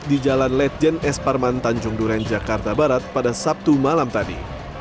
di jalan ledjen s parman tanjung duren jakarta barat pada sabtu malam tadi